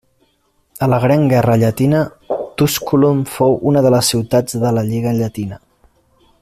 A la gran guerra llatina, Túsculum fou una de les ciutats de la Lliga llatina.